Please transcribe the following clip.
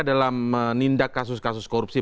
dalam menindak kasus kasus korupsi